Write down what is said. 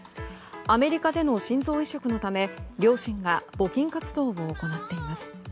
アメリカでの心臓移植のため両親が募金活動を行っています。